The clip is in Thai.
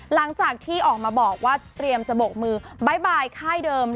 หลังจากที่ออกมาบอกว่าเตรียมจะบกมือบ๊ายบายค่ายเดิม